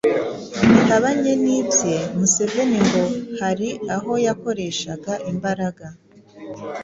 bihabanye n’ibye, Museveni ngo hari aho yakoreshaga imbaraga